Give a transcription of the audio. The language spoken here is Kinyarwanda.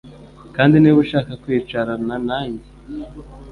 kandi niba ushaka kwicarana nanjye